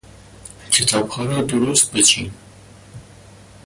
کتابها را درست بچین.